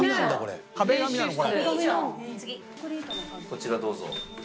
こちらどうぞ。